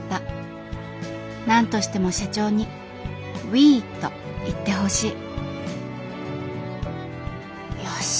何としても社長に「ウィ」と言ってほしいよし。